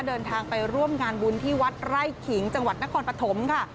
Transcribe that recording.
เดินทางไปร่วมงานบุญที่วัดไร่ขิงจังหวัดนครปฐมค่ะ